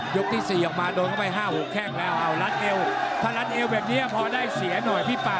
ยกที่๔ออกมาโดนเข้าไปห้าหกแค่งเดี๋ยวเอาลัดเอ้วถ้าลัดเอ้วแบบนี้พอได้เสียหน่อยพี่ป่า